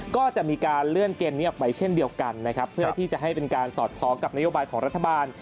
ก็จะมีการเลื่อนเกมนี้ออกไปเช่นเดียวกันนะครับเพื่อที่จะให้เป็นการสอดคล้องกับนโยบายของรัฐบาล